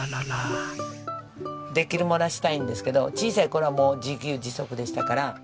できるものはしたいんですけど小さい頃はもう自給自足でしたから。